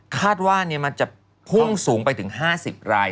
คาดว่ามันจะพุ่งสูงไปถึง๕๐ราย